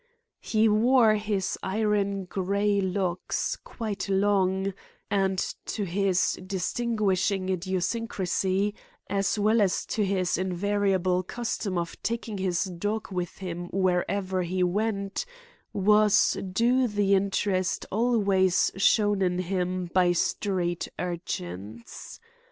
He wore his iron gray locks quite long, and to this distinguishing idiosyncrasy, as well as to his invariable custom of taking his dog with him wherever he went, was due the interest always shown in him by street urchins.